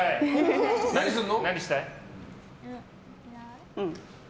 何するの？